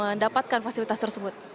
untuk mendapatkan fasilitas tersebut